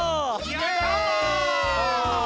やった！